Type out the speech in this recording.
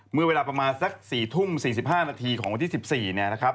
เมื่อเวลาประมาณสัก๔ทุ่ม๔๕นาทีของวันที่๑๔เนี่ยนะครับ